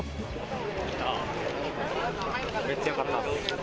めっちゃよかったです。